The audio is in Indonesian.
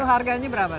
itu harganya berapa